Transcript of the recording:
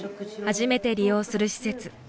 初めて利用する施設。